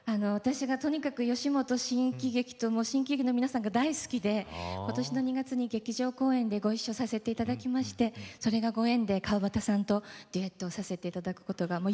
私がとにかく吉本新喜劇と新喜劇の皆さんが大好きでことしの２月に劇場公演でご一緒させていただきましてそれがご縁で川畑さんとデュエットをさせていただくことが。